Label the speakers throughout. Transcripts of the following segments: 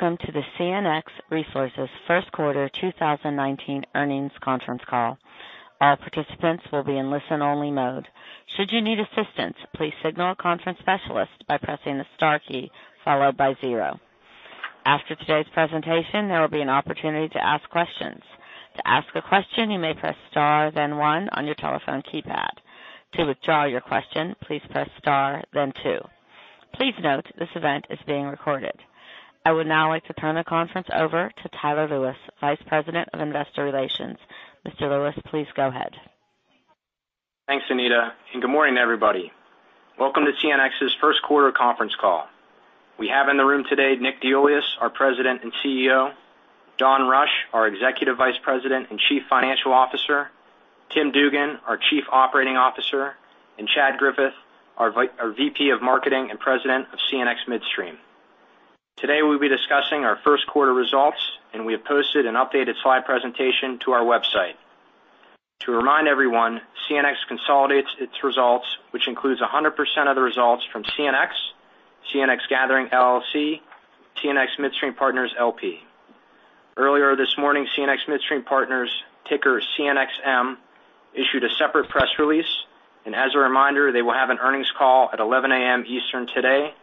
Speaker 1: Welcome to the CNX Resources first quarter 2019 earnings conference call. All participants will be in listen-only mode. Should you need assistance, please signal a conference specialist by pressing the star key followed by zero. After today's presentation, there will be an opportunity to ask questions. To ask a question, you may press star then one on your telephone keypad. To withdraw your question, please press star then two. Please note this event is being recorded. I would now like to turn the conference over to Tyler Lewis, Vice President of Investor Relations. Mr. Lewis, please go ahead.
Speaker 2: Thanks, Anita. Good morning, everybody. Welcome to CNX's first quarter conference call. We have in the room today Nick DeIuliis, our President and CEO; Don Rush, our Executive Vice President and Chief Financial Officer; Tim Dugan, our Chief Operating Officer; and Chad Griffith, our VP of Marketing and President of CNX Midstream. Today, we'll be discussing our first quarter results. We have posted an updated slide presentation to our website. To remind everyone, CNX consolidates its results, which includes 100% of the results from CNX Gathering LLC, CNX Midstream Partners LP. Earlier this morning, CNX Midstream Partners, ticker CNXM, issued a separate press release. As a reminder, they will have an earnings call at 11:00 A.M. Eastern today,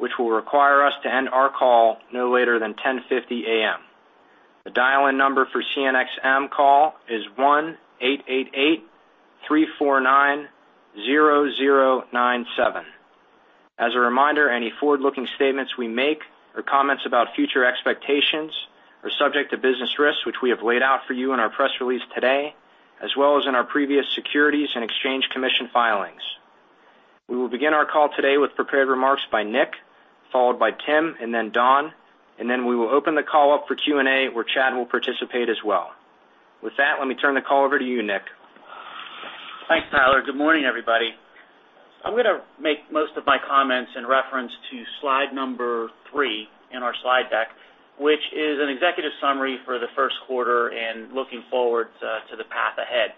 Speaker 2: which will require us to end our call no later than 10:50 A.M. The dial-in number for CNXM call is 1-888-349-0097. As a reminder, any forward-looking statements we make or comments about future expectations are subject to business risks, which we have laid out for you in our press release today, as well as in our previous Securities and Exchange Commission filings. We will begin our call today with prepared remarks by Nick, followed by Tim, and then Don. Then we will open the call up for Q&A, where Chad will participate as well. With that, let me turn the call over to you, Nick.
Speaker 3: Thanks, Tyler. Good morning, everybody. I'm going to make most of my comments in reference to slide number three in our slide deck, which is an executive summary for the first quarter and looking forward to the path ahead.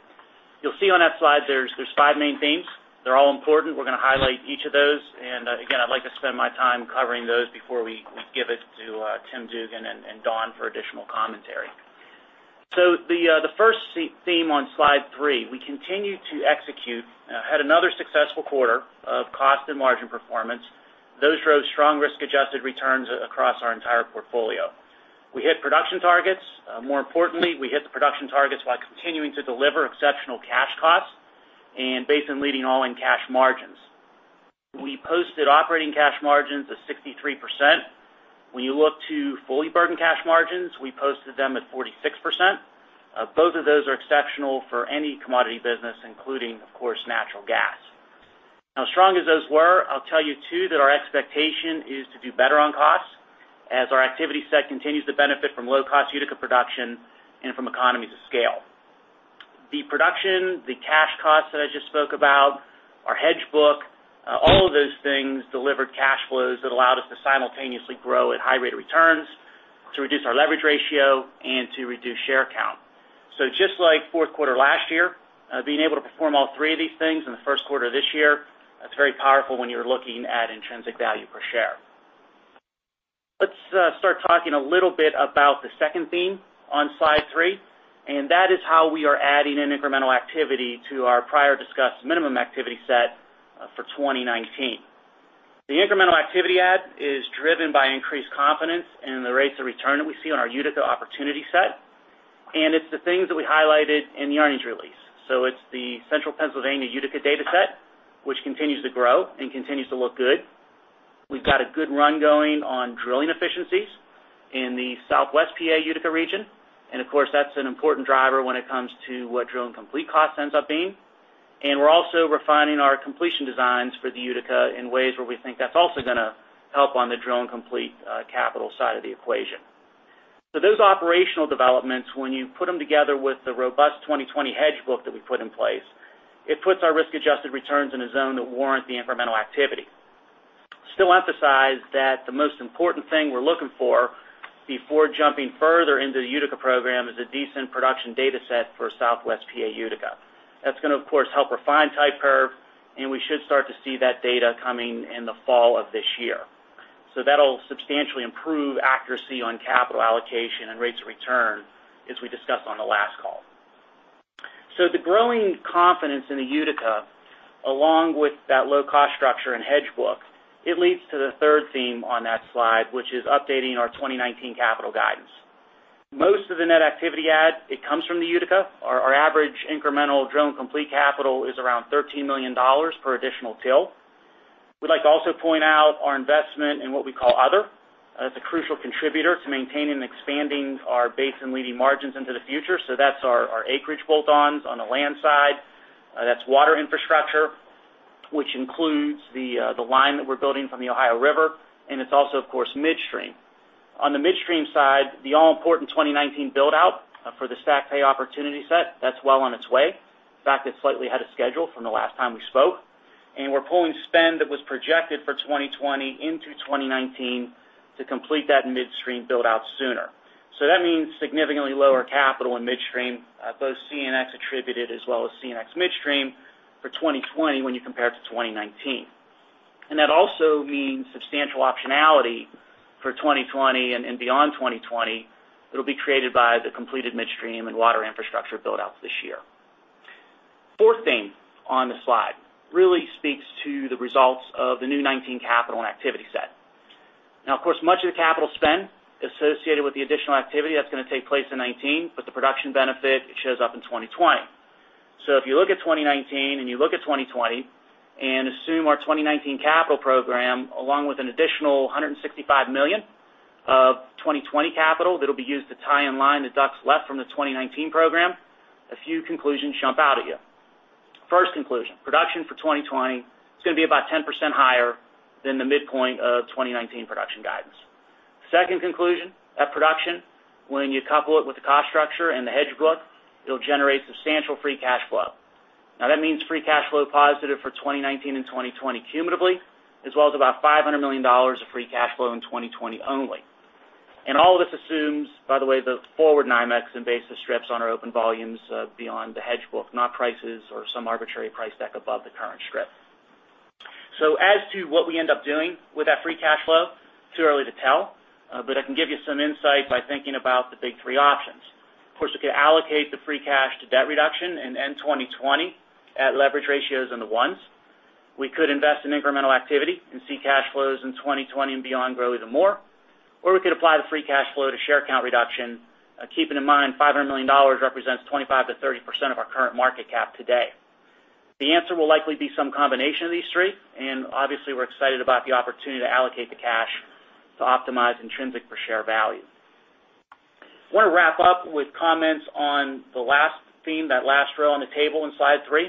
Speaker 3: You'll see on that slide there's five main themes. They're all important. We're going to highlight each of those. Again, I'd like to spend my time covering those before we give it to Tim Dugan and Don for additional commentary. The first theme on slide three, we continued to execute, had another successful quarter of cost and margin performance. Those drove strong risk-adjusted returns across our entire portfolio. We hit production targets. More importantly, we hit the production targets while continuing to deliver exceptional cash costs and basin-leading all-in cash margins. We posted operating cash margins of 63%. When you look to fully burdened cash margins, we posted them at 46%. Both of those are exceptional for any commodity business, including, of course, natural gas. As strong as those were, I'll tell you, too, that our expectation is to do better on costs as our activity set continues to benefit from low-cost Utica production and from economies of scale. The production, the cash costs that I just spoke about, our hedge book, all of those things delivered cash flows that allowed us to simultaneously grow at high rate of returns, to reduce our leverage ratio, and to reduce share count. Just like fourth quarter last year, being able to perform all three of these things in the first quarter this year, that's very powerful when you're looking at intrinsic value per share. Let's start talking a little bit about the second theme on slide three, that is how we are adding in incremental activity to our prior discussed minimum activity set for 2019. The incremental activity add is driven by increased confidence in the rates of return that we see on our Utica opportunity set, it's the things that we highlighted in the earnings release. It's the Central Pennsylvania Utica data set, which continues to grow and continues to look good. We've got a good run going on drilling efficiencies in the Southwest PA Utica region. Of course, that's an important driver when it comes to what drill and complete cost ends up being. We're also refining our completion designs for the Utica in ways where we think that's also going to help on the drill and complete capital side of the equation. Those operational developments, when you put them together with the robust 2020 hedge book that we put in place, it puts our risk-adjusted returns in a zone that warrant the incremental activity. Still emphasize that the most important thing we're looking for before jumping further into the Utica program is a decent production data set for Southwest PA Utica. That's going to, of course, help refine type curve, and we should start to see that data coming in the fall of this year. That'll substantially improve accuracy on capital allocation and rates of return, as we discussed on the last call. The growing confidence in the Utica, along with that low-cost structure and hedge book, it leads to the third theme on that slide, which is updating our 2019 capital guidance. Most of the net activity add, it comes from the Utica. Our average incremental drill and complete capital is around $13 million per additional till. We'd like to also point out our investment in what we call other. That's a crucial contributor to maintaining and expanding our basin-leading margins into the future. That's our acreage bolt-ons on the land side. That's water infrastructure, which includes the line that we're building from the Ohio River, it's also, of course, midstream. On the midstream side, the all-important 2019 build-out for the STACK/Pay opportunity set, that's well on its way. In fact, it's slightly ahead of schedule from the last time we spoke. We're pulling spend that was projected for 2020 into 2019 to complete that midstream build-out sooner. That means significantly lower capital in midstream, both CNX attributed as well as CNX Midstream for 2020 when you compare it to 2019. That also means substantial optionality for 2020 and beyond 2020 that'll be created by the completed midstream and water infrastructure build-out this year. Fourth thing on the slide really speaks to the results of the new 2019 capital and activity set. Now, of course, much of the capital spend associated with the additional activity that's going to take place in 2019, but the production benefit, it shows up in 2020. If you look at 2019 and you look at 2020 and assume our 2019 capital program, along with an additional $165 million of 2020 capital that'll be used to tie in line the DUCs left from the 2019 program, a few conclusions jump out at you. First conclusion, production for 2020 is going to be about 10% higher than the midpoint of 2019 production guidance. Second conclusion at production, when you couple it with the cost structure and the hedge book, it'll generate substantial free cash flow. Now, that means free cash flow positive for 2019 and 2020 cumulatively, as well as about $500 million of free cash flow in 2020 only. All this assumes, by the way, the forward NYMEX and basis strips on our open volumes beyond the hedge book, not prices or some arbitrary price deck above the current strip. As to what we end up doing with that free cash flow, too early to tell, but I can give you some insight by thinking about the big three options. Of course, we could allocate the free cash to debt reduction and end 2020 at leverage ratios in the ones. We could invest in incremental activity and see cash flows in 2020 and beyond grow even more. We could apply the free cash flow to share count reduction, keeping in mind $500 million represents 25%-30% of our current market cap today. The answer will likely be some combination of these three, obviously, we're excited about the opportunity to allocate the cash to optimize intrinsic per share value. Want to wrap up with comments on the last theme, that last row on the table in slide three.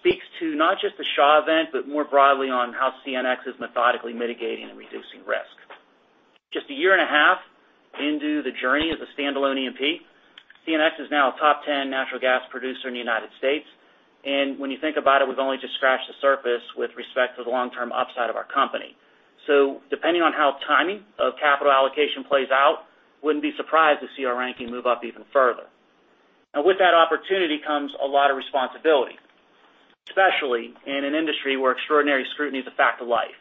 Speaker 3: Speaks to not just the Shaw event, but more broadly on how CNX is methodically mitigating and reducing risk. Just a year and a half into the journey as a standalone E&P, CNX is now a top 10 natural gas producer in the U.S. When you think about it, we've only just scratched the surface with respect to the long-term upside of our company. Depending on how timing of capital allocation plays out, wouldn't be surprised to see our ranking move up even further. With that opportunity comes a lot of responsibility, especially in an industry where extraordinary scrutiny is a fact of life.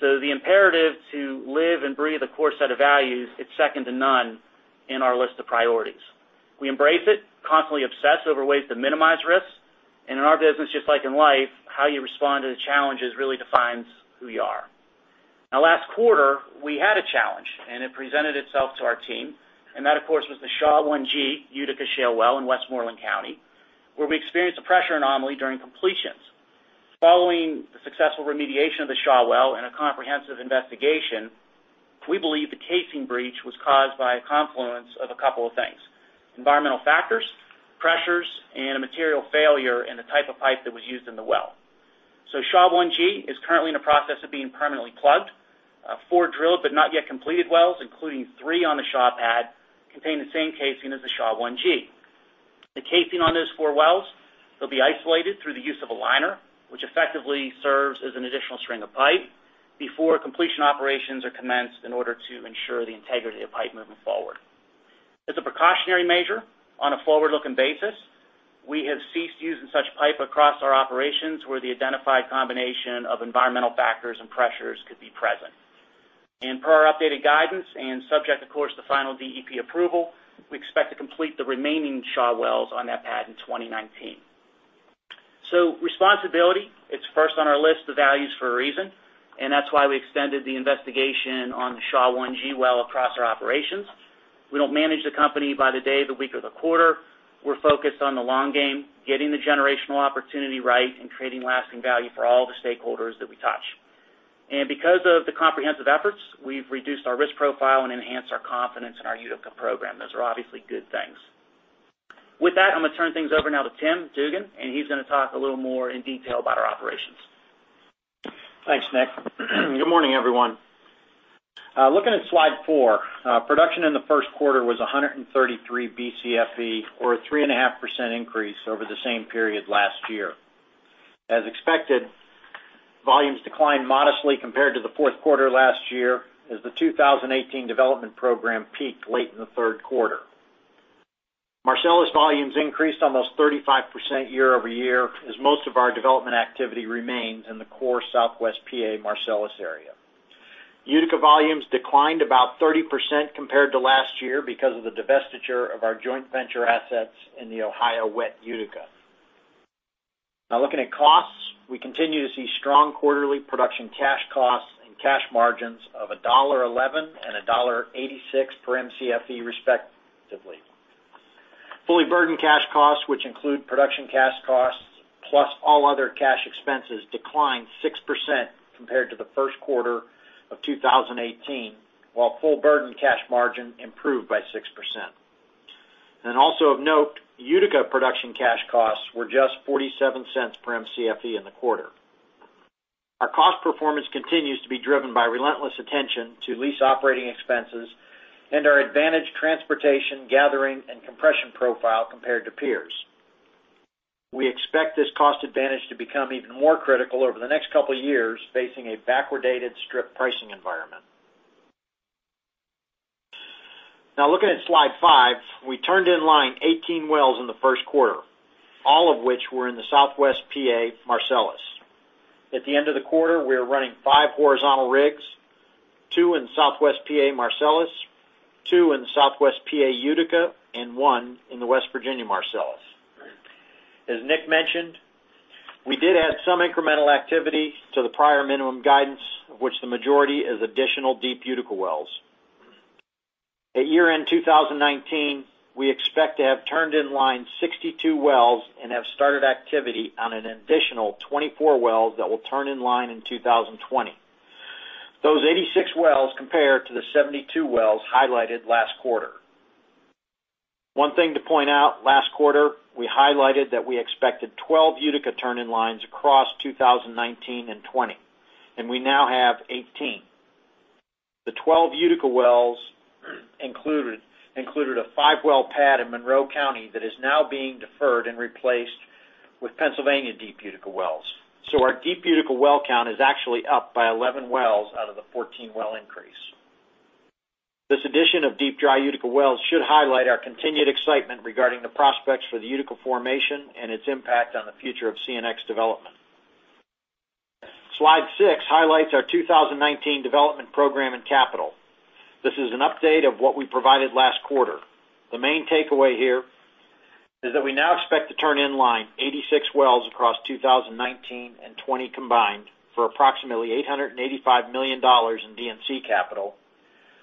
Speaker 3: The imperative to live and breathe a core set of values, it's second to none in our list of priorities. We embrace it, constantly obsess over ways to minimize risks. In our business, just like in life, how you respond to the challenges really defines who you are. Last quarter, we had a challenge, and it presented itself to our team, and that, of course, was the Shaw 1G Utica Shale well in Westmoreland County, where we experienced a pressure anomaly during completions. Following the successful remediation of the Shaw well and a comprehensive investigation, we believe the casing breach was caused by a confluence of a couple of things: environmental factors, pressures, and a material failure in the type of pipe that was used in the well. Shaw 1G is currently in the process of being permanently plugged. Four drilled but not yet completed wells, including three on the Shaw pad, contain the same casing as the Shaw 1G. The casing on those four wells will be isolated through the use of a liner, which effectively serves as an additional string of pipe before completion operations are commenced in order to ensure the integrity of pipe moving forward. As a precautionary measure on a forward-looking basis, we have ceased using such pipe across our operations where the identified combination of environmental factors and pressures could be present. Per our updated guidance and subject, of course, to final DEP approval, we expect to complete the remaining Shaw wells on that pad in 2019. Responsibility, it's first on our list of values for a reason, and that's why we extended the investigation on the Shaw 1G well across our operations. We don't manage the company by the day, the week, or the quarter. We're focused on the long game, getting the generational opportunity right, and creating lasting value for all the stakeholders that we touch. Because of the comprehensive efforts, we've reduced our risk profile and enhanced our confidence in our Utica program. Those are obviously good things. With that, I'm going to turn things over now to Tim Dugan, and he's going to talk a little more in detail about our operations.
Speaker 4: Thanks, Nick. Good morning, everyone. Looking at slide four, production in the first quarter was 133 BCFE, or a 3.5% increase over the same period last year. As expected, volumes declined modestly compared to the fourth quarter last year as the 2018 development program peaked late in the third quarter. Marcellus volumes increased almost 35% year-over-year as most of our development activity remains in the core Southwest P.A. Marcellus area. Utica volumes declined about 30% compared to last year because of the divestiture of our joint venture assets in the Ohio Wet Utica. Looking at costs, we continue to see strong quarterly production cash costs and cash margins of $1.11 and $1.86 per MCFE respectively. Fully burdened cash costs, which include production cash costs plus all other cash expenses, declined 6% compared to the first quarter of 2018, while full burden cash margin improved by 6%. Also of note, Utica production cash costs were just $0.47 per MCFE in the quarter. Our cost performance continues to be driven by relentless attention to lease operating expenses and our advantage transportation, gathering, and compression profile compared to peers. We expect this cost advantage to become even more critical over the next couple years, facing a backwardated strip pricing environment. Looking at slide five, we turned in line 18 wells in the first quarter, all of which were in the Southwest P.A. Marcellus. At the end of the quarter, we are running five horizontal rigs, two in Southwest P.A. Marcellus, two in Southwest P.A. Utica, and one in the West Virginia Marcellus. As Nick mentioned, we did add some incremental activity to the prior minimum guidance, of which the majority is additional deep Utica wells. At year-end 2019, we expect to have turned in line 62 wells and have started activity on an additional 24 wells that will turn in line in 2020. Those 86 wells compare to the 72 wells highlighted last quarter. One thing to point out, last quarter, we highlighted that we expected 12 Utica turn-in lines across 2019 and 2020, and we now have 18. The 12 Utica wells included a five-well pad in Monroe County that is now being deferred and replaced with Pennsylvania deep Utica wells. Our deep Utica well count is actually up by 11 wells out of the 14 well increase. This addition of deep dry Utica wells should highlight our continued excitement regarding the prospects for the Utica formation and its impact on the future of CNX development. Slide six highlights our 2019 development program and capital. This is an update of what we provided last quarter. The main takeaway here is that we now expect to turn in line 86 wells across 2019 and 2020 combined for approximately $885 million in D&C capital,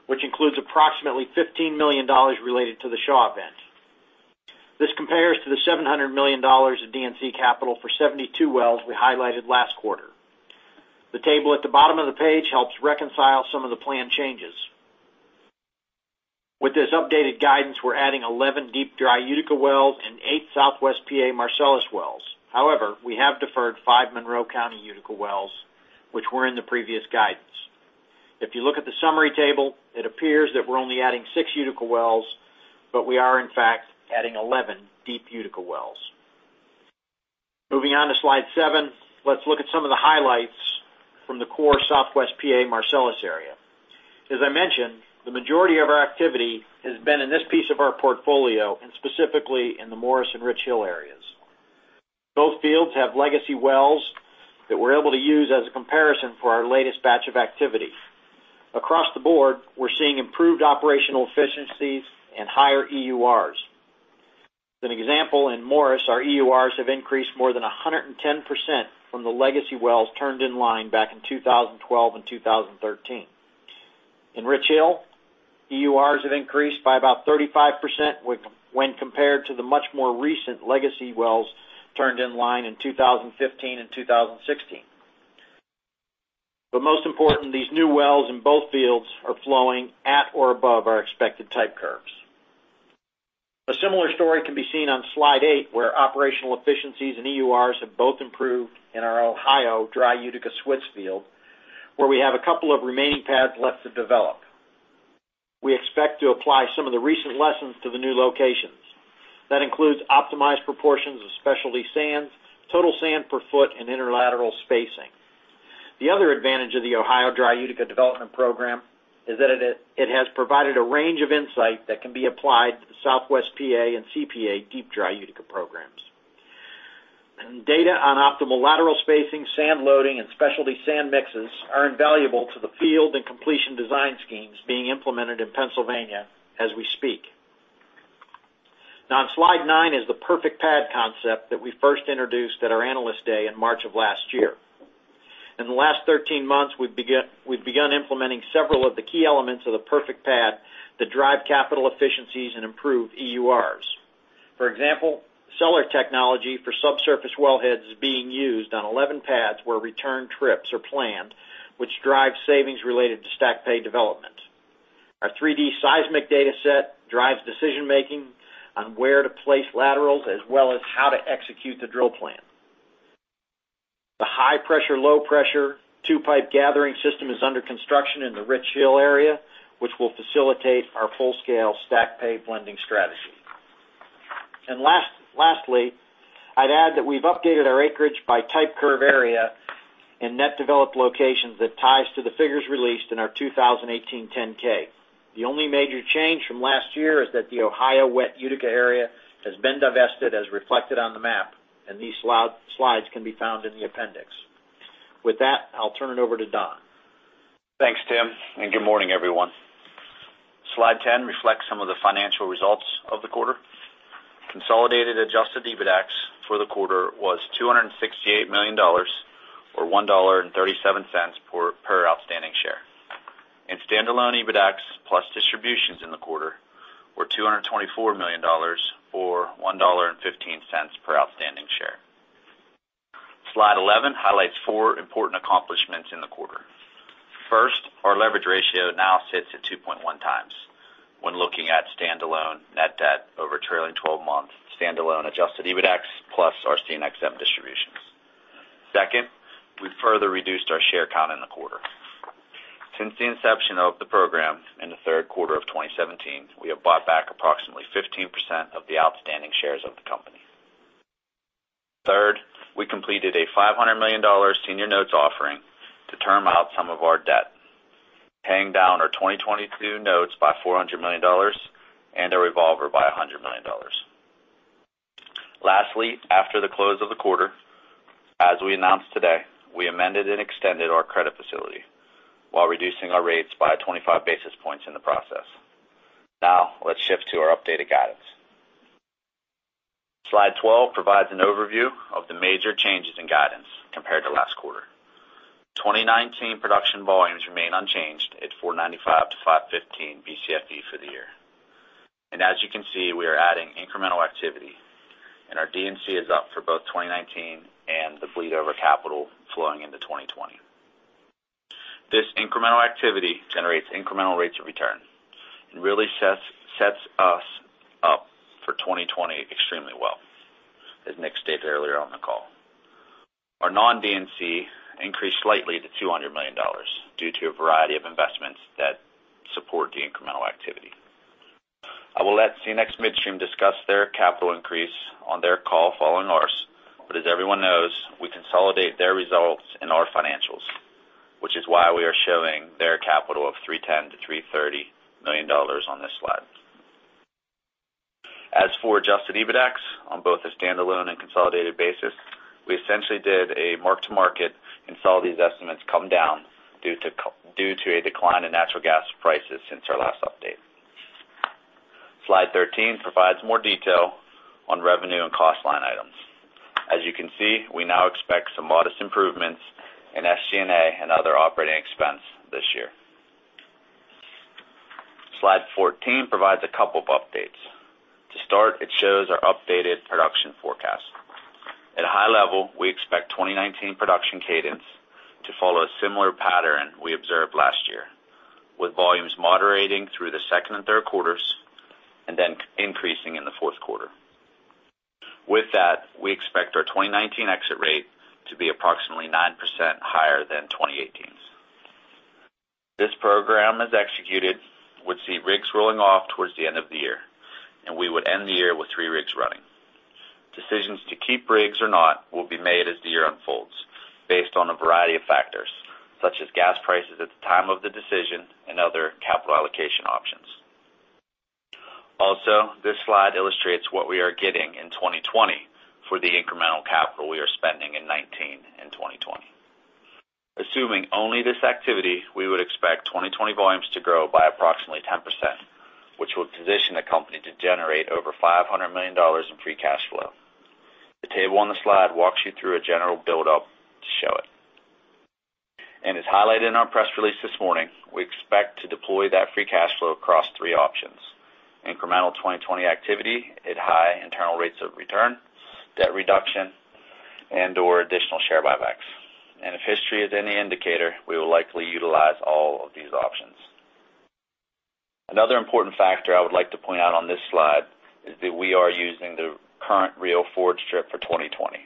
Speaker 4: which includes approximately $15 million related to the Shaw event. This compares to the $700 million in D&C capital for 72 wells we highlighted last quarter. The table at the bottom of the page helps reconcile some of the plan changes. With this updated guidance, we're adding 11 deep dry Utica wells and eight Southwest PA Marcellus wells. We have deferred five Monroe County Utica wells, which were in the previous guidance. If you look at the summary table, it appears that we're only adding six Utica wells, but we are in fact adding 11 deep Utica wells. Moving on to slide seven, let's look at some of the highlights from the core Southwest PA Marcellus area. As I mentioned, the majority of our activity has been in this piece of our portfolio, and specifically in the Morris and Richhill areas. Both fields have legacy wells that we're able to use as a comparison for our latest batch of activity. Across the board, we're seeing improved operational efficiencies and higher EURs. As an example, in Morris, our EURs have increased more than 110% from the legacy wells turned in line back in 2012 and 2013. In Richhill, EURs have increased by about 35% when compared to the much more recent legacy wells turned in line in 2015 and 2016. Most important, these new wells in both fields are flowing at or above our expected type curves. A similar story can be seen on slide eight, where operational efficiencies and EURs have both improved in our Ohio dry Utica Switz field, where we have a couple of remaining pads left to develop. We expect to apply some of the recent lessons to the new locations. That includes optimized proportions of specialty sands, total sand per foot, and interlateral spacing. The other advantage of the Ohio dry Utica development program is that it has provided a range of insight that can be applied to the Southwest PA and CPA deep dry Utica programs. Data on optimal lateral spacing, sand loading, and specialty sand mixes are invaluable to the field and completion design schemes being implemented in Pennsylvania as we speak. On slide nine is the perfect pad concept that we first introduced at our Analyst Day in March of last year. In the last 13 months, we've begun implementing several of the key elements of the perfect pad to drive capital efficiencies and improve EURs. For example, cellar technology for subsurface wellheads is being used on 11 pads where return trips are planned, which drives savings related to stack pay development. Our 3D seismic data set drives decision-making on where to place laterals, as well as how to execute the drill plan. The high-pressure, low-pressure two-pipe gathering system is under construction in the Richhill area, which will facilitate our full-scale stack pay blending strategy. Lastly, I'd add that we've updated our acreage by type curve area and net developed locations that ties to the figures released in our 2018 10-K. The only major change from last year is that the Ohio wet Utica area has been divested as reflected on the map. These slides can be found in the appendix. With that, I'll turn it over to Don.
Speaker 5: Thanks, Tim. Good morning, everyone. Slide 10 reflects some of the financial results of the quarter. Consolidated adjusted EBITDAX for the quarter was $268 million, or $1.37 per outstanding share. Standalone EBITDAX plus distributions in the quarter were $224 million, or $1.15 per outstanding share. Slide 11 highlights four important accomplishments in the quarter. First, our leverage ratio now sits at 2.1 times when looking at standalone net debt over trailing 12 months, standalone adjusted EBITDAX plus our CNXM distribution. Second, we further reduced our share count in the quarter. Since the inception of the program in the third quarter of 2017, we have bought back approximately 15% of the outstanding shares of the company. Third, we completed a $500 million senior notes offering to term out some of our debt, paying down our 2022 notes by $400 million and our revolver by $100 million. Lastly, after the close of the quarter, as we announced today, we amended and extended our credit facility while reducing our rates by 25 basis points in the process. Now let's shift to our updated guidance. Slide 12 provides an overview of the major changes in guidance compared to last quarter. 2019 production volumes remain unchanged at 495 to 515 BCFE for the year. As you can see, we are adding incremental activity, and our D&C is up for both 2019 and the fleet over capital flowing into 2020. This incremental activity generates incremental rates of return and really sets us up for 2020 extremely well, as Nick stated earlier on the call. Our non-D&C increased slightly to $200 million due to a variety of investments that support the incremental activity. I will let CNX Midstream discuss their capital increase on their call following ours. As everyone knows, we consolidate their results in our financials, which is why we are showing their capital of $310 million-$330 million on this slide. As for adjusted EBITDAX on both a standalone and consolidated basis, we essentially did a mark-to-market and saw these estimates come down due to a decline in natural gas prices since our last update. Slide 13 provides more detail on revenue and cost line items. As you can see, we now expect some modest improvements in SG&A and other operating expense this year. Slide 14 provides a couple of updates. To start, it shows our updated production forecast. At a high level, we expect 2019 production cadence to follow a similar pattern we observed last year, with volumes moderating through the second and third quarters and then increasing in the fourth quarter. We expect our 2019 exit rate to be approximately 9% higher than 2018's. This program, as executed, would see rigs rolling off towards the end of the year, and we would end the year with three rigs running. Decisions to keep rigs or not will be made as the year unfolds based on a variety of factors, such as gas prices at the time of the decision and other capital allocation options. This slide illustrates what we are getting in 2020 for the incremental capital we are spending in 2019 and 2020. Assuming only this activity, we would expect 2020 volumes to grow by approximately 10%, which will position the company to generate over $500 million in free cash flow. The table on the slide walks you through a general buildup to show it. As highlighted in our press release this morning, we expect to deploy that free cash flow across three options: incremental 2020 activity at high internal rates of return, debt reduction, and/or additional share buybacks. If history is any indicator, we will likely utilize all of these options. Another important factor I would like to point out on this slide is that we are using the current real forward strip for 2020,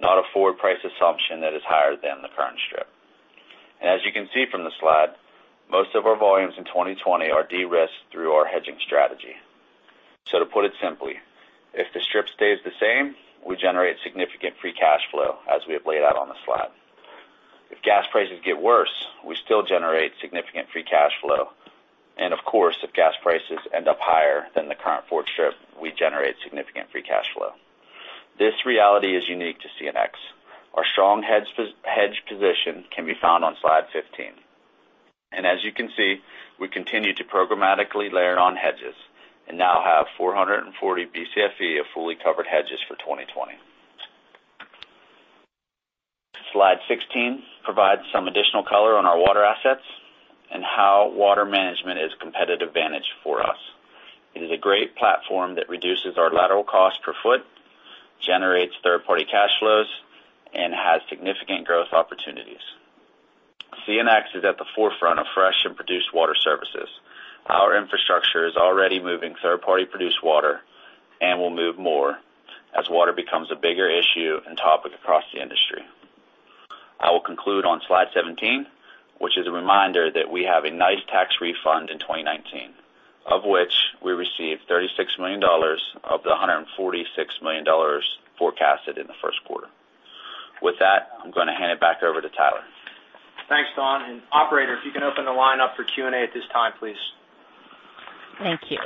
Speaker 5: not a forward price assumption that is higher than the current strip. As you can see from the slide, most of our volumes in 2020 are de-risked through our hedging strategy. To put it simply, if the strip stays the same, we generate significant free cash flow as we have laid out on the slide. If gas prices get worse, we still generate significant free cash flow. Of course, if gas prices end up higher than the current forward strip, we generate significant free cash flow. This reality is unique to CNX. Our strong hedge position can be found on slide 15. As you can see, we continue to programmatically layer on hedges and now have 440 BCFE of fully covered hedges for 2020. Slide 16 provides some additional color on our water assets and how water management is a competitive advantage for us. It is a great platform that reduces our lateral cost per foot, generates third-party cash flows, and has significant growth opportunities. CNX is at the forefront of fresh and produced water services. Our infrastructure is already moving third-party produced water and will move more as water becomes a bigger issue and topic across the industry. I will conclude on slide 17, which is a reminder that we have a nice tax refund in 2019. Of which we received $36 million of the $146 million forecasted in the first quarter. With that, I'm going to hand it back over to Tyler.
Speaker 2: Thanks, Don, and operator, if you can open the line up for Q&A at this time, please.
Speaker 1: Thank you.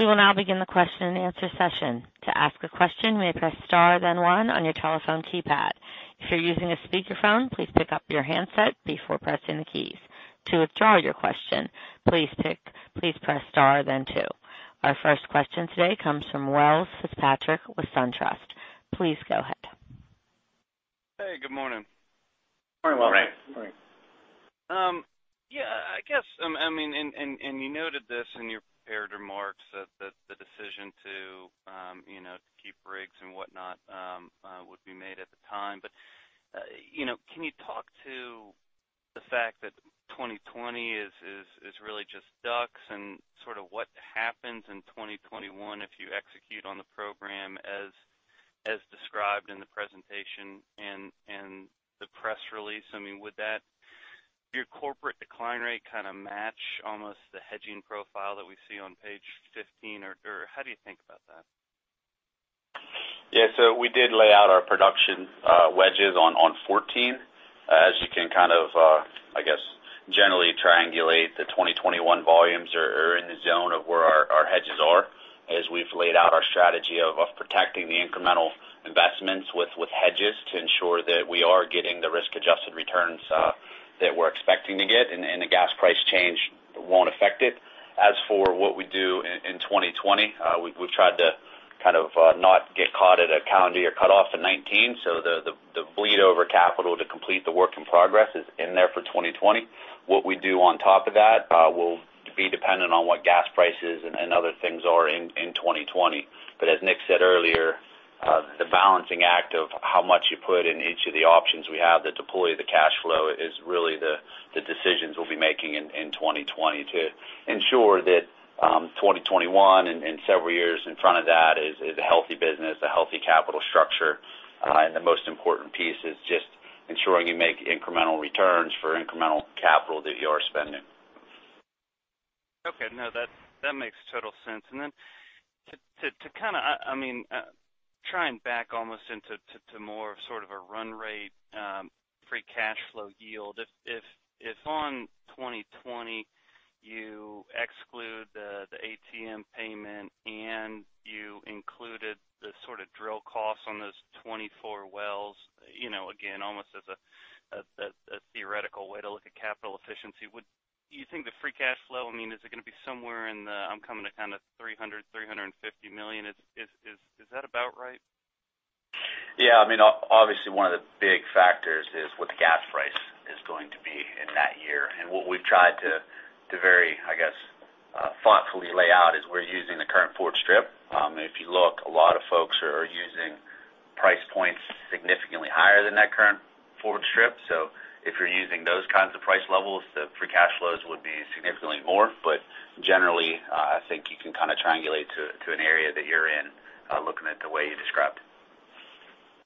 Speaker 1: We will now begin the question and answer session. To ask a question, you may press star then one on your telephone keypad. If you're using a speakerphone, please pick up your handset before pressing the keys. To withdraw your question, please press star then two. Our first question today comes from Wells Fitzpatrick with SunTrust. Please go ahead.
Speaker 6: Hey, good morning.
Speaker 5: Morning, Wells.
Speaker 2: Morning.
Speaker 6: You noted this in your prepared remarks that the decision to keep rigs and whatnot would be made at the time. Can you talk to the fact that 2020 is really just DUCs, and sort of what happens in 2021 if you execute on the program as described in the presentation and the press release. Would your corporate decline rate match almost the hedging profile that we see on page 15, or how do you think about that?
Speaker 5: We did lay out our production wedges on 14. As you can, I guess, generally triangulate the 2021 volumes are in the zone of where our hedges are, as we've laid out our strategy of protecting the incremental investments with hedges to ensure that we are getting the risk-adjusted returns that we're expecting to get, and the gas price change won't affect it. As for what we do in 2020, we've tried to not get caught at a calendar year cutoff in 2019, so the bleed over capital to complete the work in progress is in there for 2020. What we do on top of that will be dependent on what gas prices and other things are in 2020. As Nick said earlier, the balancing act of how much you put in each of the options we have to deploy the cash flow is really the decisions we'll be making in 2020 to ensure that 2021, and several years in front of that is a healthy business, a healthy capital structure. The most important piece is just ensuring you make incremental returns for incremental capital that you are spending.
Speaker 6: No, that makes total sense. To try and back almost into more of sort of a run rate free cash flow yield. If on 2020 you exclude the ATM payment and you included the sort of drill costs on those 24 wells, again, almost as a theoretical way to look at capital efficiency, do you think the free cash flow, is it going to be somewhere in the, I'm coming to $300 million-$350 million. Is that about right?
Speaker 5: Yeah. Obviously, one of the big factors is what the gas price is going to be in that year. What we've tried to very thoughtfully lay out is we're using the current forward strip. If you look, a lot of folks are using price points significantly higher than that current forward strip. If you're using those kinds of price levels, the free cash flows would be significantly more. Generally, I think you can triangulate to an area that you're in, looking at the way you described.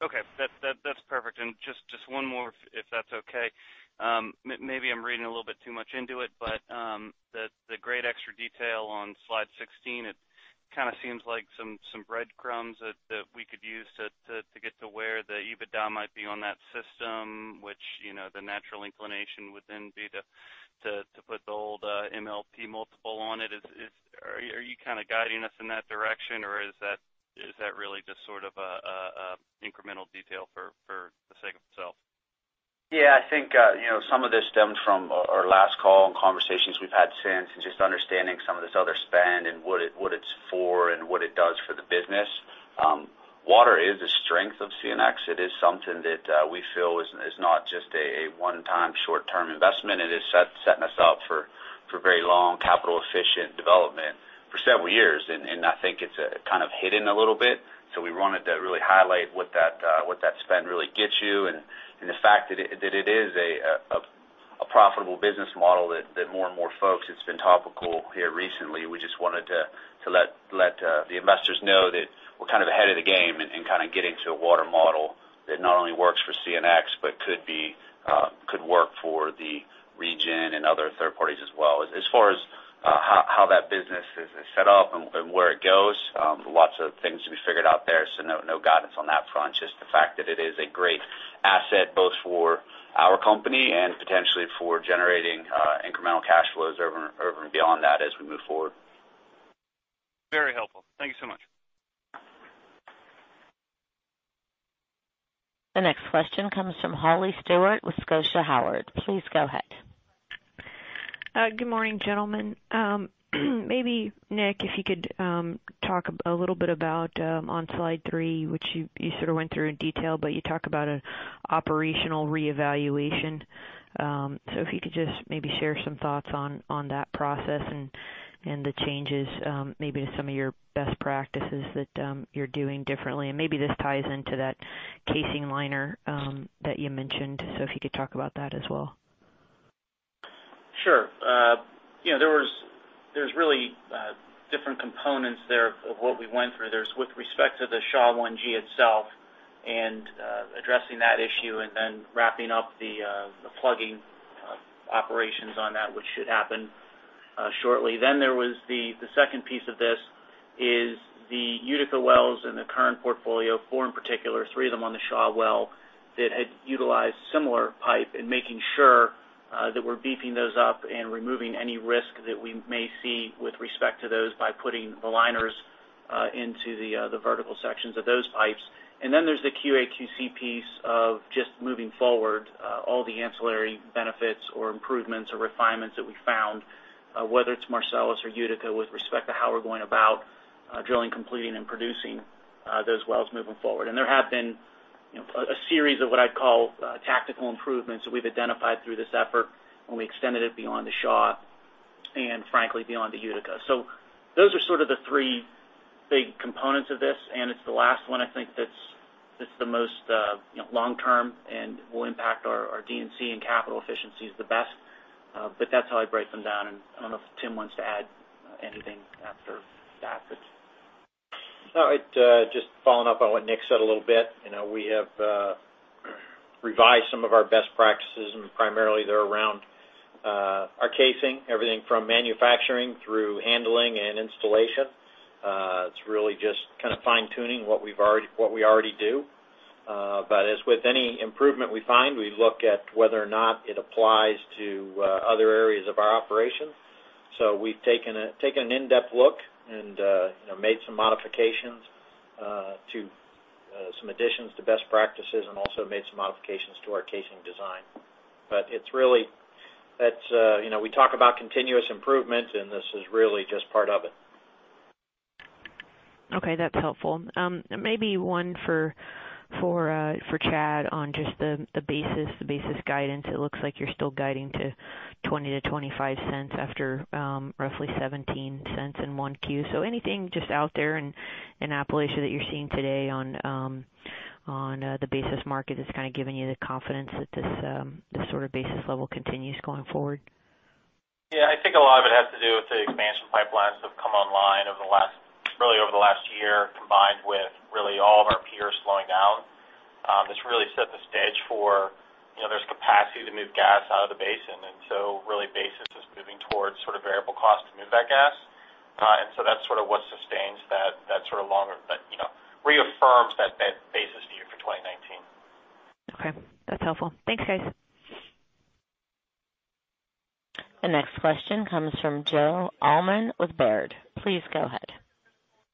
Speaker 6: Okay. That's perfect. Just one more, if that's okay. Maybe I'm reading a little bit too much into it, but the great extra detail on slide 16, it kind of seems like some breadcrumbs that we could use to get to where the EBITDA might be on that system, which the natural inclination would then be to put the old MLP multiple on it. Are you guiding us in that direction, or is that really just sort of incremental detail for the sake of itself?
Speaker 5: Yeah, I think some of this stems from our last call and conversations we've had since, just understanding some of this other spend and what it's for and what it does for the business. Water is a strength of CNX. It is something that we feel is not just a one-time, short-term investment. It is setting us up for very long capital-efficient development for several years, I think it's kind of hidden a little bit. We wanted to really highlight what that spend really gets you, the fact that it is a profitable business model that more and more folks, it's been topical here recently. We just wanted to let the investors know that we're ahead of the game in getting to a water model that not only works for CNX, but could work for the region and other third parties as well. As far as how that business is set up and where it goes, lots of things to be figured out there. No guidance on that front, just the fact that it is a great asset, both for our company and potentially for generating incremental cash flows over and beyond that as we move forward.
Speaker 6: Very helpful. Thank you so much.
Speaker 1: The next question comes from Holly Stewart with Scotia Howard. Please go ahead.
Speaker 7: Good morning, gentlemen. Maybe Nick, if you could talk a little bit about on slide three, which you sort of went through in detail, but you talk about an operational reevaluation. If you could just maybe share some thoughts on that process and the changes maybe to some of your best practices that you're doing differently, and maybe this ties into that casing liner that you mentioned. If you could talk about that as well.
Speaker 3: Sure. There's really different components there of what we went through. There's with respect to the Shaw 1G itself and addressing that issue and then wrapping up the plugging operations on that, which should happen shortly. There was the second piece of this is the Utica wells in the current portfolio, 4 in particular, 3 of them on the Shaw well, that had utilized similar pipe, and making sure that we're beefing those up and removing any risk that we may see with respect to those by putting the liners into the vertical sections of those pipes. There's the QA/QC piece of just moving forward, all the ancillary benefits or improvements or refinements that we found, whether it's Marcellus or Utica, with respect to how we're going about drilling, completing, and producing those wells moving forward. There have been a series of what I'd call tactical improvements that we've identified through this effort, and we extended it beyond the Shaw and frankly, beyond the Utica. Those are sort of the 3 big components of this, and it's the last one I think that's the most long-term and will impact our D&C and capital efficiencies the best. That's how I break them down. I don't know if Tim wants to add anything after the assets.
Speaker 4: No. Just following up on what Nick said a little bit. We have revised some of our best practices, and primarily they're around our casing, everything from manufacturing through handling and installation. It's really just kind of fine-tuning what we already do. As with any improvement we find, we look at whether or not it applies to other areas of our operation. We've taken an in-depth look and made some modifications to some additions to best practices and also made some modifications to our casing design. We talk about continuous improvement, and this is really just part of it.
Speaker 7: Okay, that's helpful. Maybe one for Chad on just the basis guidance. It looks like you're still guiding to $0.20-$0.25 after roughly $0.17 in 1Q. Anything just out there in Appalachia that you're seeing today on the basis market that's giving you the confidence that this sort of basis level continues going forward?
Speaker 8: Yeah, I think a lot of it has to do with the expansion pipelines that have come online really over the last year, combined with really all of our peers slowing down. It's really set the stage for There's capacity to move gas out of the basin, so really basis is moving towards sort of variable cost to move that gas. So that's sort of what sustains that sort of That reaffirms that basis view for 2019.
Speaker 7: Okay, that's helpful. Thanks, guys.
Speaker 1: The next question comes from Joseph Allman with Baird. Please go ahead.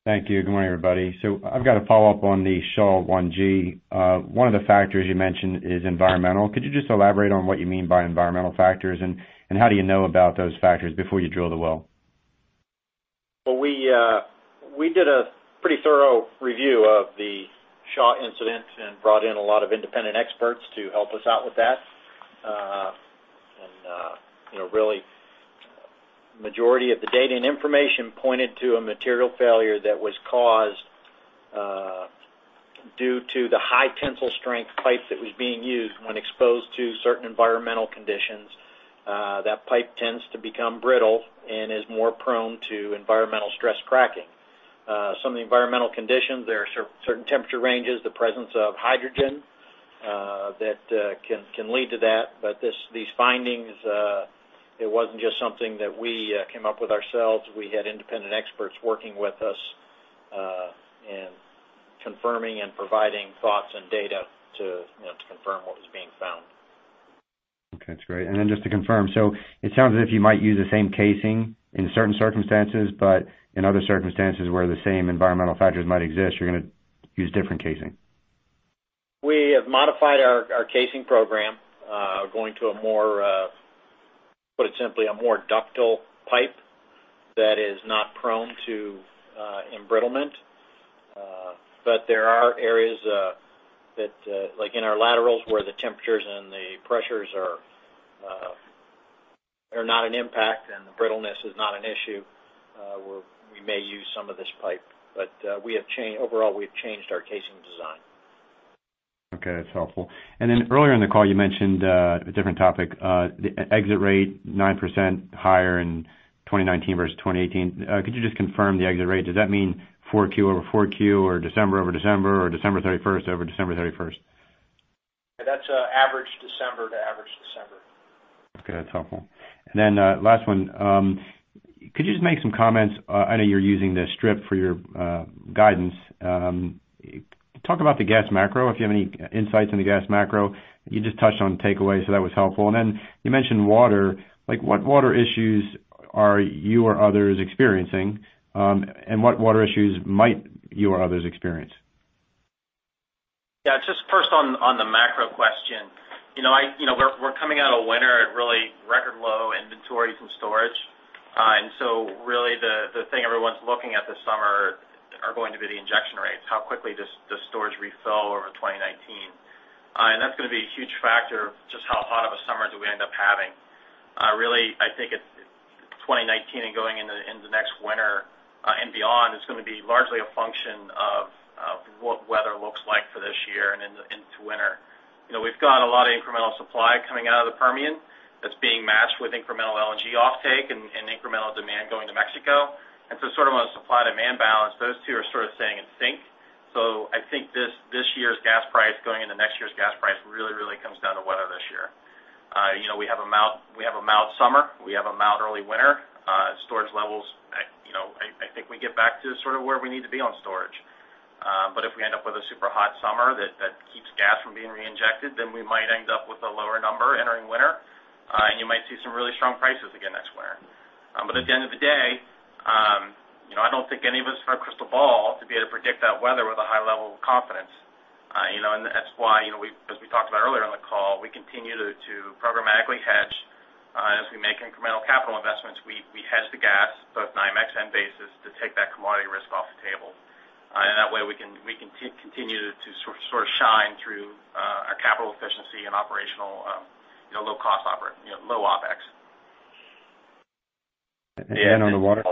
Speaker 9: Thank you. Good morning, everybody. I've got a follow-up on the Shaw 1G. One of the factors you mentioned is environmental. Could you just elaborate on what you mean by environmental factors, and how do you know about those factors before you drill the well?
Speaker 4: We did a pretty thorough review of the Shaw incident and brought in a lot of independent experts to help us out with that. Really majority of the data and information pointed to a material failure that was caused due to the high tensile strength pipe that was being used when exposed to certain environmental conditions. That pipe tends to become brittle and is more prone to environmental stress cracking. Some of the environmental conditions are certain temperature ranges, the presence of hydrogen that can lead to that. These findings, it wasn't just something that we came up with ourselves. We had independent experts working with us and confirming and providing thoughts and data to confirm what was being found.
Speaker 9: Okay, that's great. Then just to confirm, it sounds as if you might use the same casing in certain circumstances, in other circumstances where the same environmental factors might exist, you're going to use different casing.
Speaker 4: We have modified our casing program, going to a more, put it simply, a more ductile pipe that is not prone to embrittlement. There are areas that, like in our laterals, where the temperatures and the pressures are not an impact and the brittleness is not an issue, we may use some of this pipe. Overall, we've changed our casing design.
Speaker 9: Okay, that's helpful. Then earlier in the call, you mentioned a different topic, the exit rate, 9% higher in 2019 versus 2018. Could you just confirm the exit rate? Does that mean 4Q over 4Q or December over December or December 31st over December 31st?
Speaker 4: That's average December to average December.
Speaker 9: Okay, that's helpful. Last one. Could you just make some comments, I know you're using the strip for your guidance. Talk about the gas macro, if you have any insights on the gas macro. You just touched on takeaways, so that was helpful. You mentioned water. What water issues are you or others experiencing? What water issues might you or others experience?
Speaker 8: Yeah. Just first on the macro question. We're coming out of winter at really record low inventories and storage. Really the thing everyone's looking at this summer are going to be the injection rates, how quickly does the storage refill over 2019. That's going to be a huge factor of just how hot of a summer do we end up having. Really, I think it's 2019 and going into next winter and beyond, it's going to be largely a function of what weather looks like for this year and into winter. We've got a lot of incremental supply coming out of the Permian that's being matched with incremental LNG offtake and incremental demand going to Mexico. Sort of on a supply-demand balance, those two are sort of staying in sync. I think this year's gas price going into next year's gas price really comes down to weather this year. We have a mild summer, we have a mild early winter, storage levels, I think we get back to sort of where we need to be on storage. If we end up with a super hot summer that keeps gas from being reinjected, then we might end up with a lower number entering winter. You might see some really strong prices again next winter. At the end of the day, I don't think any of us have a crystal ball to be able to predict that weather with a high level of confidence. That's why, as we talked about earlier on the call, we continue to programmatically hedge as we make incremental capital investments. We hedge the gas, both NYMEX and basis, to take that commodity risk off the table.
Speaker 3: That way we can continue to sort of shine through our capital efficiency and operational low OpEx.
Speaker 9: On the water.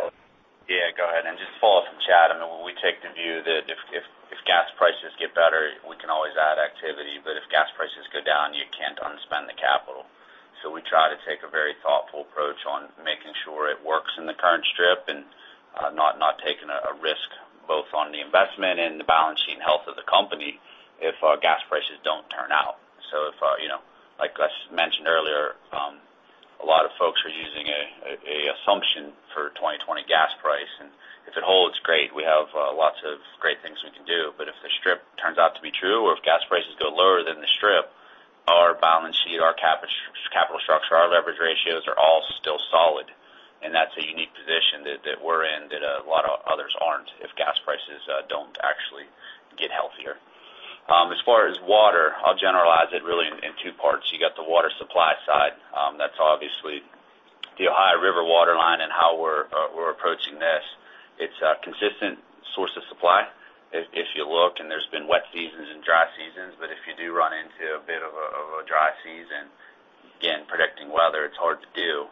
Speaker 5: Yeah, go ahead. Just to follow up from Chad, we take the view that if gas prices get better, we can always add activity. If gas prices go down, you can't unspend the capital. We try to take a very thoughtful approach on making sure it works in the current strip, and not taking a risk both on the investment and the balance sheet health of the company if our gas prices don't turn out. If, like I mentioned earlier, a lot of folks are using a assumption for 2020 gas price, and if it holds great, we have lots of great things we can do. If the strip turns out to be true, or if gas prices go lower than the strip, our balance sheet, our capital structure, our leverage ratios are all still solid. That's a unique position that we're in that a lot of others aren't if gas prices don't actually get healthier. As far as water, I'll generalize it really in two parts. You got the water supply side. That's obviously the Ohio River waterline and how we're approaching this. It's a consistent source of supply. If you look, and there's been wet seasons and dry seasons, but if you do run into a bit of a dry season, again, predicting weather, it's hard to do.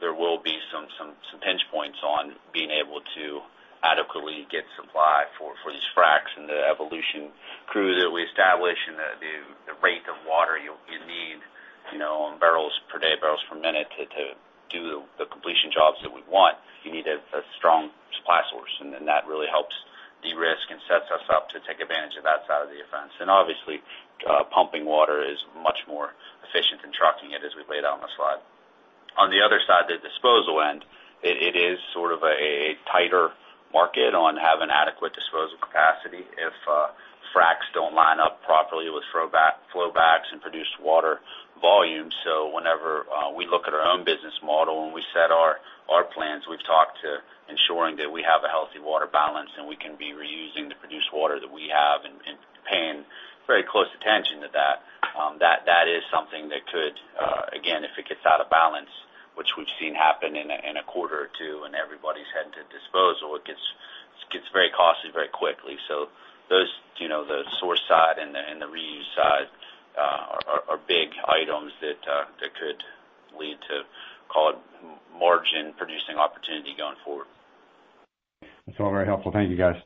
Speaker 5: There will be some pinch points on being able to adequately get supply for these fracks and the evolution crews that we establish and the rate of water you'll need, in barrels per day, barrels per minute to do the completion jobs that we want. You need a strong supply source, and then that really helps de-risk and sets us up to take advantage of that side of the offense. Obviously, pumping water is much more efficient than trucking it as we've laid out on the slide. On the other side, the disposal end, it is sort of a tighter market on having adequate disposal capacity if fracs don't line up properly with flow backs and produce water volume. Whenever we look at our own business model and we set our plans, we've talked to ensuring that we have a healthy water balance, and we can be reusing the produced water that we have and paying very close attention to that. That is something that could, again, if it gets out of balance, which we've seen happen in a quarter or two, and everybody's heading to disposal, it gets very costly very quickly. Those, the source side and the reuse side, are big items that could lead to margin producing opportunity going forward.
Speaker 9: That's all very helpful. Thank you, guys.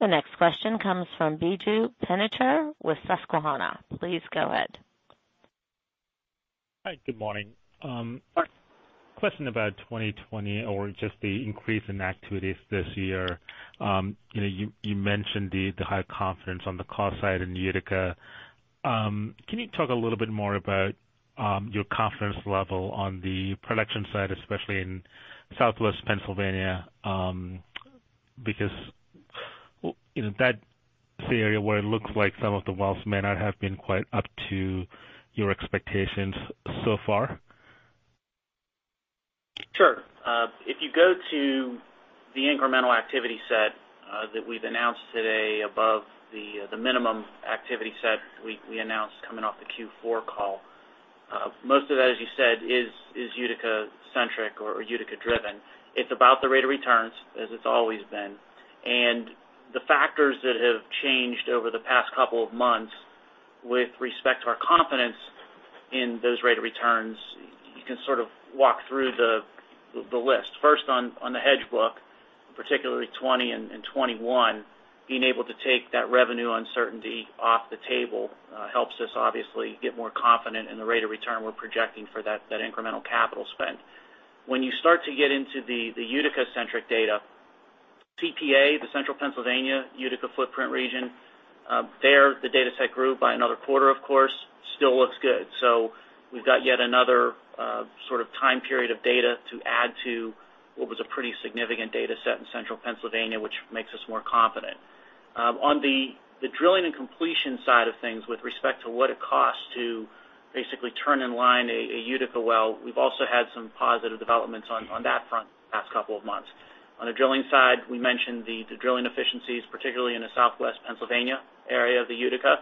Speaker 1: The next question comes from Biju Perincheril with Susquehanna. Please go ahead.
Speaker 10: Hi, good morning.
Speaker 3: Good morning.
Speaker 10: Question about 2020 or just the increase in activities this year. You mentioned the high confidence on the cost side in Utica. Can you talk a little bit more about your confidence level on the production side, especially in Southwest Pennsylvania? That's the area where it looks like some of the wells may not have been quite up to your expectations so far.
Speaker 3: Sure. If you go to the incremental activity set that we've announced today above the minimum activity set we announced coming off the Q4 call. Most of that, as you said, is Utica-centric or Utica-driven. It's about the rate of returns as it's always been. The factors that have changed over the past couple of months with respect to our confidence in those rate of returns, you can sort of walk through the list. First on the hedge book, particularly '20 and '21, being able to take that revenue uncertainty off the table helps us obviously get more confident in the rate of return we're projecting for that incremental capital spend. When you start to get into the Utica-centric data, CPA, the Central Pennsylvania Utica footprint region, there the data set grew by another quarter, of course. Still looks good. We've got yet another sort of time period of data to add to what was a pretty significant data set in Central Pennsylvania, which makes us more confident. On the drilling and completion side of things with respect to what it costs to basically turn and line a Utica well, we've also had some positive developments on that front the past couple of months. On the drilling side, we mentioned the drilling efficiencies, particularly in the Southwest Pennsylvania area of the Utica.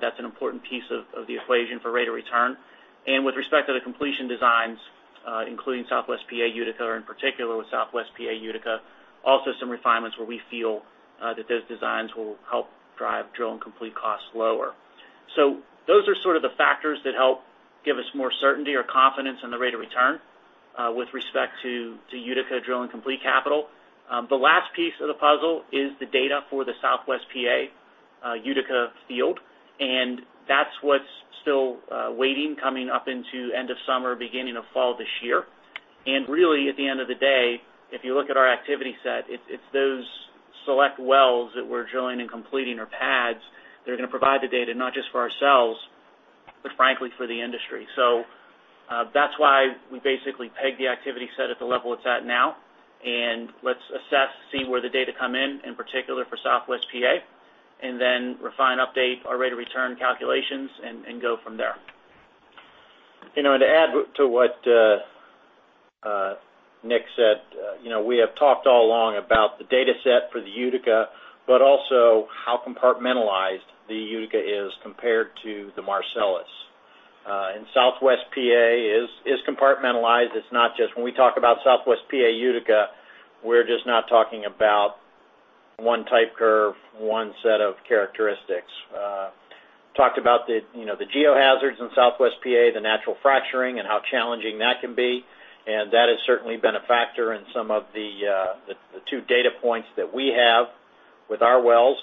Speaker 3: That's an important piece of the equation for rate of return. With respect to the completion designs including Southwest PA Utica, or in particular with Southwest PA Utica, also some refinements where we feel that those designs will help drive drill and complete costs lower. Those are sort of the factors that help give us more certainty or confidence in the rate of return with respect to Utica drill and complete capital. The last piece of the puzzle is the data for the Southwest PA Utica field, that's what's still waiting, coming up into end of summer, beginning of fall this year. Really at the end of the day, if you look at our activity set, it's those select wells that we're drilling and completing our pads that are going to provide the data, not just for ourselves, but frankly for the industry. That's why we basically peg the activity set at the level it's at now, let's assess, see where the data come in particular for Southwest PA, then refine, update our rate of return calculations and go from there.
Speaker 4: To add to what Nick said, we have talked all along about the data set for the Utica, but also how compartmentalized the Utica is compared to the Marcellus In Southwest P.A. is compartmentalized. When we talk about Southwest P.A. Utica, we're just not talking about one type curve, one set of characteristics. Talked about the geo hazards in Southwest P.A., the natural fracturing, and how challenging that can be, and that has certainly been a factor in some of the two data points that we have with our wells.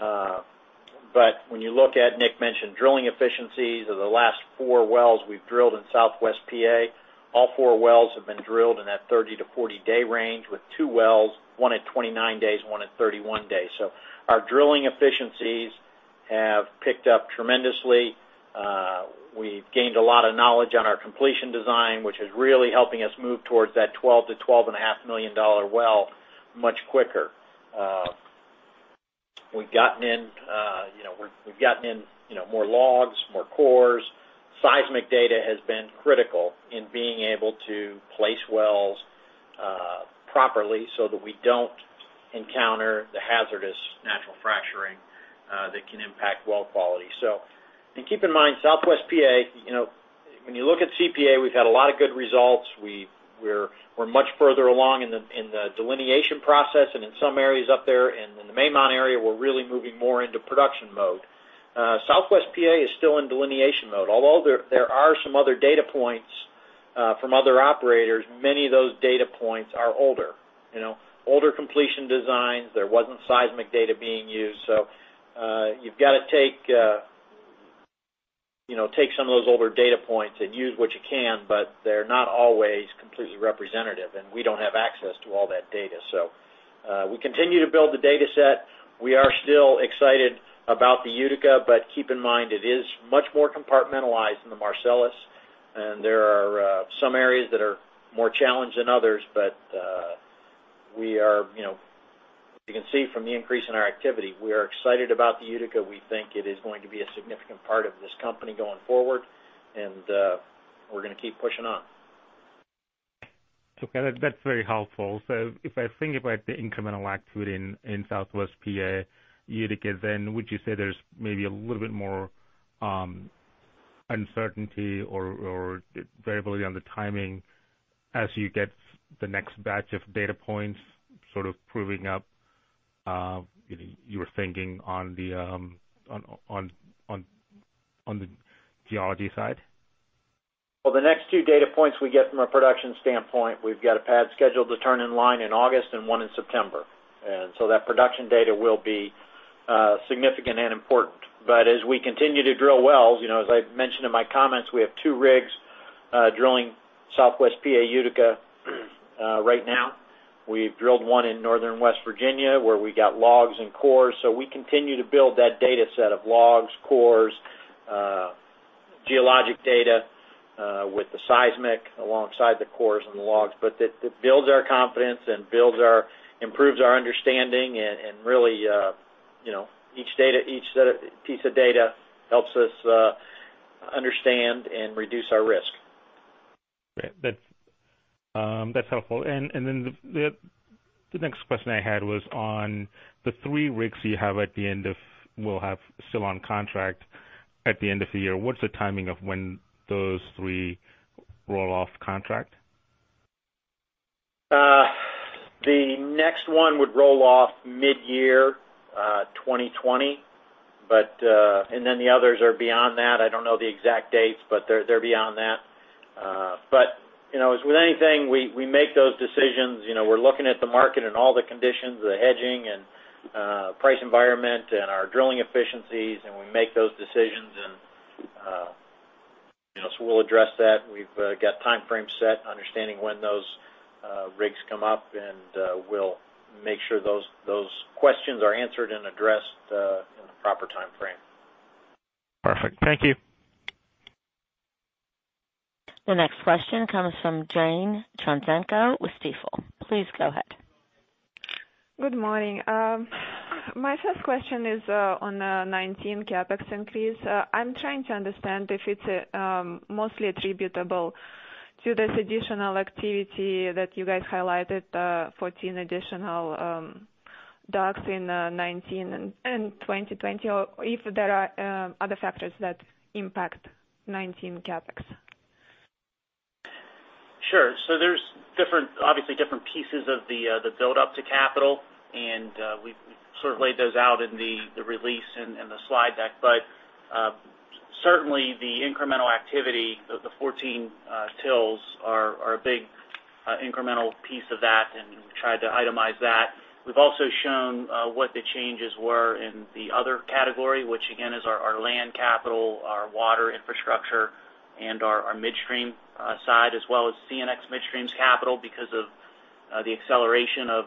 Speaker 4: But when you look at, Nick mentioned drilling efficiencies of the last four wells we've drilled in Southwest P.A., all four wells have been drilled in that 30-40 day range with two wells, one at 29 days, one at 31 days. Our drilling efficiencies have picked up tremendously. We've gained a lot of knowledge on our completion design, which is really helping us move towards that $12 million-$12.5 million well much quicker. We've gotten in more logs, more cores. Seismic data has been critical in being able to place wells properly, so that we don't encounter the hazardous natural fracturing that can impact well quality. Keep in mind, Southwest P.A., when you look at CPA, we've had a lot of good results. We're much further along in the delineation process, and in some areas up there. In the Mamont area, we're really moving more into production mode. Southwest P.A. is still in delineation mode. Although there are some other data points from other operators, many of those data points are older. Older completion designs. There wasn't seismic data being used. You've got to take some of those older data points and use what you can, but they're not always completely representative, and we don't have access to all that data. We continue to build the data set. We are still excited about the Utica, keep in mind, it is much more compartmentalized than the Marcellus, and there are some areas that are more challenged than others. As you can see from the increase in our activity, we are excited about the Utica. We think it is going to be a significant part of this company going forward, and we're going to keep pushing on.
Speaker 10: Okay. That's very helpful. If I think about the incremental activity in Southwest P.A. Utica, would you say there's maybe a little bit more uncertainty or variability on the timing as you get the next batch of data points sort of proving up your thinking on the geology side?
Speaker 4: The next two data points we get from a production standpoint, we've got a pad scheduled to turn in line in August and one in September. That production data will be significant and important. As we continue to drill wells, as I mentioned in my comments, we have two rigs drilling Southwest P.A. Utica right now. We've drilled one in northern West Virginia where we got logs and cores. We continue to build that data set of logs, cores, geologic data with the seismic alongside the cores and the logs. It builds our confidence and improves our understanding, and really each piece of data helps us understand and reduce our risk.
Speaker 10: Great. That's helpful. The next question I had was on the three rigs you will have still on contract at the end of the year. What's the timing of when those three roll off contract?
Speaker 4: The next one would roll off mid-year 2020. The others are beyond that. I don't know the exact dates, but they're beyond that. As with anything, we make those decisions, we're looking at the market and all the conditions, the hedging and price environment and our drilling efficiencies, and we make those decisions. We'll address that. We've got time frames set, understanding when those rigs come up. We'll make sure those questions are answered and addressed in the proper time frame.
Speaker 10: Perfect. Thank you.
Speaker 1: The next question comes from Jane Trancenko with Stifel. Please go ahead.
Speaker 11: Good morning. My first question is on the 2019 CapEx increase. I'm trying to understand if it's mostly attributable to this additional activity that you guys highlighted, 14 additional D&C in 2019 and 2020, or if there are other factors that impact 2019 CapEx.
Speaker 4: Sure. There's obviously different pieces of the build up to capital, we've sort of laid those out in the release and the slide deck. Certainly the incremental activity of the 14 D&C are a big incremental piece of that, we tried to itemize that. We've also shown what the changes were in the other category, which again is our land capital, our water infrastructure, and our midstream side, as well as CNX Midstream's capital because of the acceleration of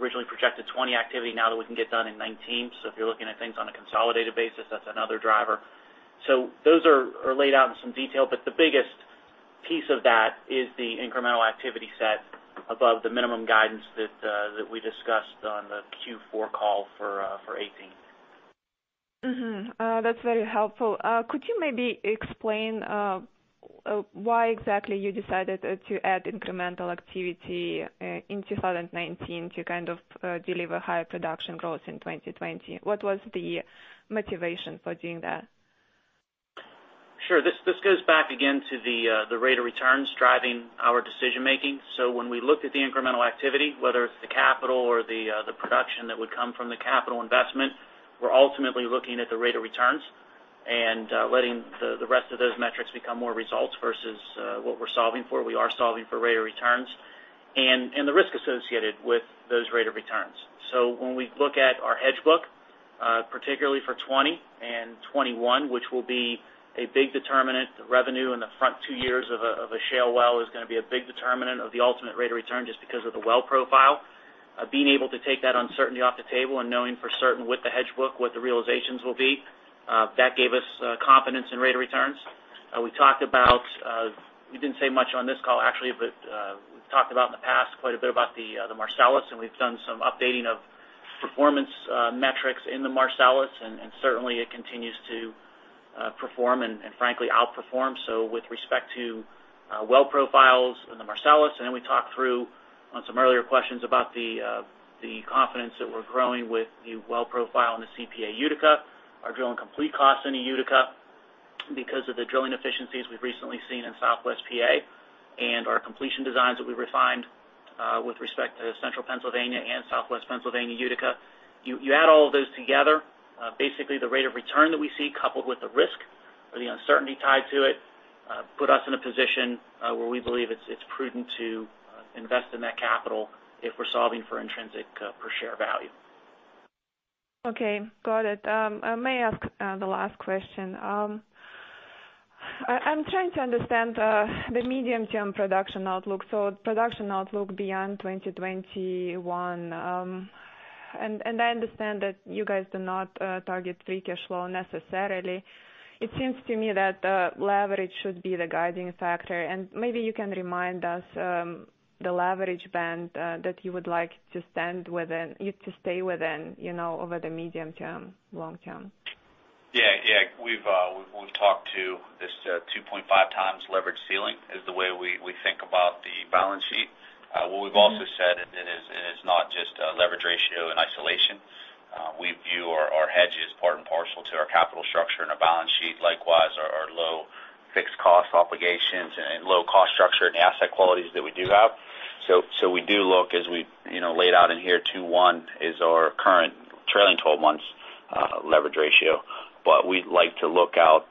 Speaker 4: originally projected 2020 activity now that we can get done in 2019. If you're looking at things on a consolidated basis, that's another driver. Those are laid out in some detail, but the biggest piece of that is the incremental activity set above the minimum guidance that we discussed on the Q4 call for 2018.
Speaker 11: That's very helpful. Could you maybe explain why exactly you decided to add incremental activity in 2019 to kind of deliver higher production growth in 2020? What was the motivation for doing that?
Speaker 3: Sure. This goes back again to the rate of returns driving our decision-making. When we looked at the incremental activity, whether it's the capital or the production that would come from the capital investment, we're ultimately looking at the rate of returns and letting the rest of those metrics become more results versus what we're solving for. We are solving for rate of returns and the risk associated with those rate of returns. When we look at our hedge book, particularly for 2020 and 2021, which will be a big determinant. The revenue in the front two years of a shale well is going to be a big determinant of the ultimate rate of return just because of the well profile. Being able to take that uncertainty off the table and knowing for certain with the hedge book what the realizations will be, that gave us confidence in rate of returns. We didn't say much on this call, actually, but we've talked about in the past quite a bit about the Marcellus, and we've done some updating of performance metrics in the Marcellus, and certainly it continues to perform and frankly, outperform. With respect to well profiles in the Marcellus, and then we talked through on some earlier questions about the confidence that we're growing with the well profile in the CPA Utica. Our drilling complete costs in the Utica, because of the drilling efficiencies we've recently seen in Southwest PA and our completion designs that we refined with respect to Central Pennsylvania and Southwest Pennsylvania Utica. You add all of those together, basically the rate of return that we see coupled with the risk or the uncertainty tied to it, put us in a position where we believe it's prudent to invest in that capital if we're solving for intrinsic per-share value.
Speaker 11: Okay, got it. May I ask the last question? I'm trying to understand the medium-term production outlook. Production outlook beyond 2021. I understand that you guys do not target free cash flow necessarily. It seems to me that leverage should be the guiding factor, and maybe you can remind us the leverage band that you would like it to stay within over the medium-term, long-term.
Speaker 3: Yeah. We've talked to this 2.5x leverage ceiling is the way we think about the balance sheet. We've also said, it is not just leverage ratio in isolation. We view our hedges part and parcel to our capital structure and our balance sheet, likewise, our low fixed cost obligations and low cost structure and asset qualities that we do have. We do look as we laid out in here, 2.1 is our current trailing 12 months leverage ratio. We like to look out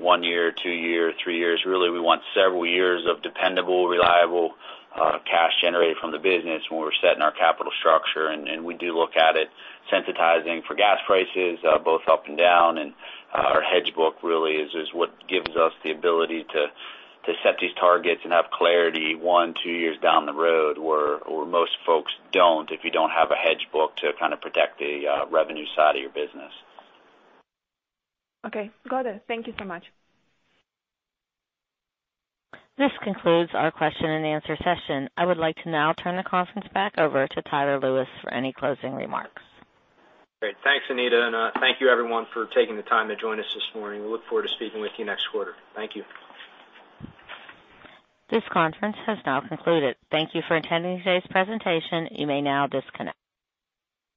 Speaker 3: one year, two years, three years, really, we want several years of dependable, reliable cash generated from the business when we're setting our capital structure. We do look at it sensitizing for gas prices both up and down, and our hedge book really is what gives us the ability to set these targets and have clarity one, two years down the road where most folks don't, if you don't have a hedge book to kind of protect the revenue side of your business.
Speaker 11: Okay, got it. Thank you so much.
Speaker 1: This concludes our question and answer session. I would like to now turn the conference back over to Tyler Lewis for any closing remarks.
Speaker 2: Great. Thanks, Anita, and thank you everyone for taking the time to join us this morning. We look forward to speaking with you next quarter. Thank you.
Speaker 1: This conference has now concluded. Thank you for attending today's presentation. You may now disconnect.